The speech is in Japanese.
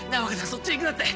そっち行くなって。